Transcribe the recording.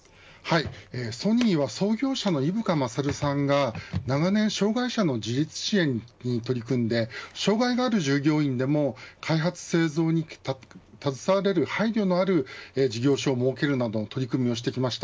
ソニーは創業者の井深大さんが長年、障害者の自立支援に取り組んでいて障害がある従業員でも開発、製造に携われる配慮のある事業所を設けるなどの取り組みをしてきました。